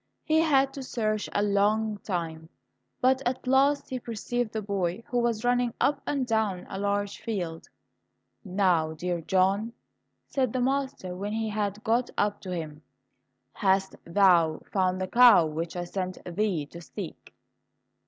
He had to search a long time, but at last he perceived the boy who was running up and down a large field. "Now, dear John," said the master when he had got up to him, "hast thou found the cow which I sent thee to seek?"